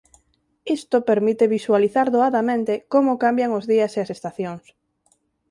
Isto permite visualizar doadamente como cambian os días e as estacións.